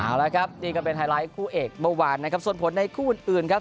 เอาละครับนี่ก็เป็นไฮไลท์คู่เอกเมื่อวานนะครับส่วนผลในคู่อื่นครับ